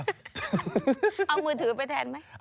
เอามือถือไปแทนไหม